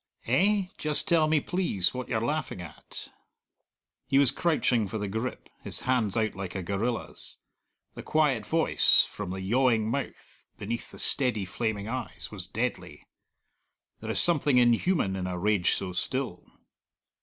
"Eh?... Just tell me, please, what you're laughing at." He was crouching for the grip, his hands out like a gorilla's. The quiet voice, from the yawing mouth, beneath the steady, flaming eyes, was deadly. There is something inhuman in a rage so still.